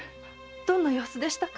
どんな様子でしたか？